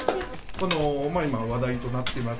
この、今話題となっています